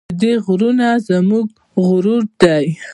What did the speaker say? د دې غرونه زموږ غرور دی